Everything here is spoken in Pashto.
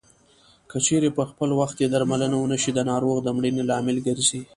که چېرې پر خپل وخت یې درملنه ونشي د ناروغ د مړینې لامل ګرځي.